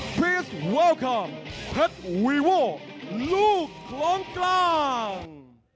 สวัสดีครับแพทย์วีวัลลูกหล่อมกลาง